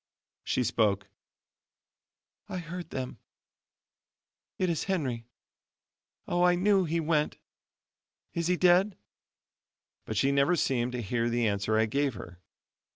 She spoke, "I heard them it is Henry; oh, I knew he went is he dead?" But she never seemed to hear the answer I gave her.